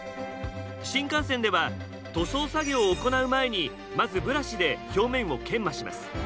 新幹線では塗装作業を行う前にまずブラシで表面を研磨します。